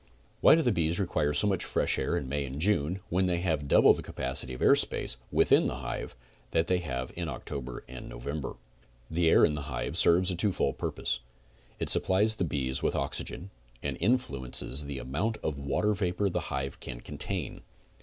Why do the bees require so much fresh air in May and June when they have double the capacity of air space, within the hive, that they have in October and November The air in the hive serves a two fold purpose. It supplies the bees with oxygen and influences the amount of water vapor the hive can contain.